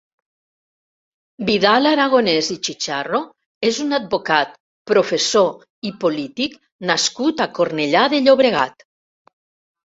Vidal Aragonés i Chicharro és un advocat, professor i polític nascut a Cornellà de Llobregat.